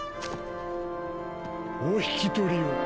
お引き取りを。